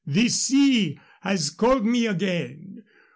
The sea has called me again.